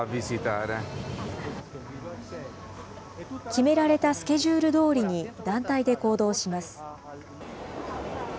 決められたスケジュールどおりに団体で行動します。